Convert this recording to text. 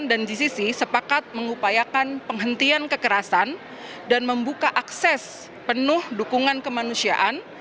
gcc sepakat mengupayakan penghentian kekerasan dan membuka akses penuh dukungan kemanusiaan